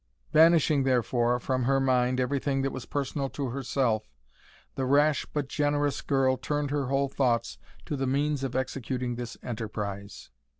Banishing, therefore, from her mind every thing that was personal to herself, the rash but generous girl turned her whole thoughts to the means of executing this enterprise.